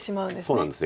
そうなんです。